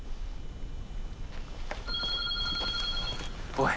☎・おい！